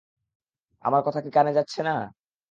আমার কথা কি কানে যাচ্ছে না?